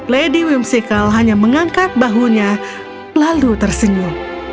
lady whimsical hanya mengangkat bahunya lalu tersenyum